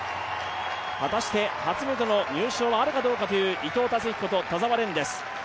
果たして初めての入賞はあるかという伊藤達彦と田澤廉です。